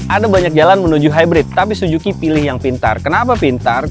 ada banyak jalan menuju hybrid tapi suzuki pilih yang pintar kenapa pintar